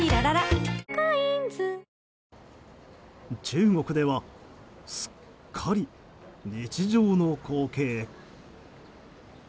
中国ではすっかり日常の光景。